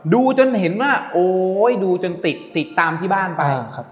จนเห็นว่าโอ๊ยดูจนติดติดตามที่บ้านไป